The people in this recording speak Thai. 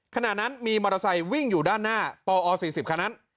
ขณะนั้นมีมอเตอร์ไซค์วิ่งอยู่ด้านหน้าปอ๔๐คันนั้น